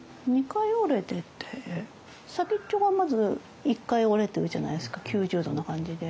２回折れてて先っちょがまず一回折れてるじゃないですか９０度な感じで。